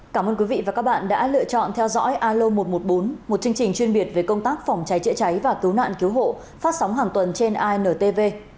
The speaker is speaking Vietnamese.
cảm ơn quý vị và các bạn đã lựa chọn theo dõi alo một trăm một mươi bốn một chương trình chuyên biệt về công tác phòng cháy chữa cháy và cứu nạn cứu hộ phát sóng hàng tuần trên intv